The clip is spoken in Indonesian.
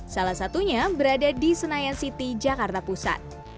salah satunya berada di senayan city jakarta pusat